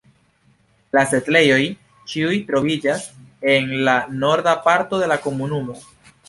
La setlejoj ĉiuj troviĝas en la norda parto de la komunumo.